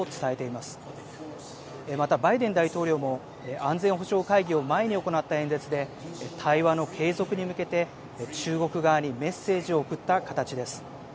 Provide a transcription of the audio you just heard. また、バイデン大統領も安全保障会議を前に行った演説で対話の継続に向けて中国側にメッセージを送った形です。